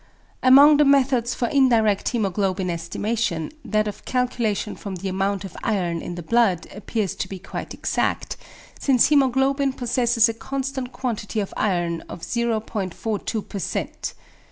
Among the methods for indirect hæmoglobin estimation, that of calculation from the amount of iron in the blood appears to be quite exact, since hæmoglobin possesses a constant quantity of iron of 0.42 per cent.